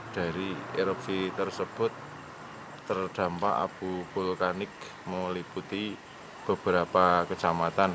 dari erupsi tersebut terdampak abu vulkanik meliputi beberapa kecamatan